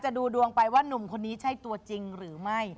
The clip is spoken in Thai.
ดูดวงไปว่านุ่มคนนี้ใช่ตัวจริงหรือไม่